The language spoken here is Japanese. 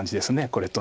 これと。